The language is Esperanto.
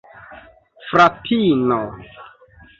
fratino